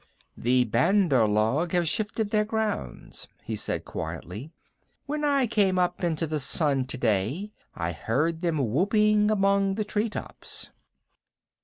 "The Bandar log have shifted their grounds," he said quietly. "When I came up into the sun today I heard them whooping among the tree tops."